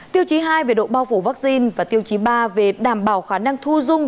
tiêu chí hai về độ bao phủ vaccine và tiêu chí ba về đảm bảo khả năng thu dung